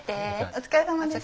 お疲れさまでした。